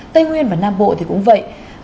tây nguyên và nam bộ thì cũng vậy